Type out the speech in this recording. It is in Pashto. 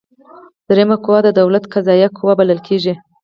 دریمه قوه د دولت قضاییه قوه بلل کیږي.